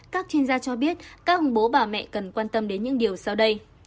các chuyên gia cho biết các ông bố bà mẹ cần quan tâm đến những điều sau đây